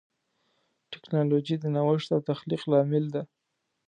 ټکنالوجي د نوښت او تخلیق لامل ده.